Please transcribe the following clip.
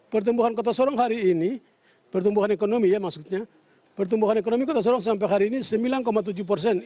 pertumbuhan kota sorong hari ini pertumbuhan ekonomi ya maksudnya pertumbuhan ekonomi kota sorong sampai hari ini sembilan tujuh persen